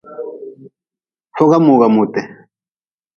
Foga mooga mooti.